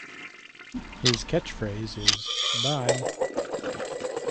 His catchphrase is Bye!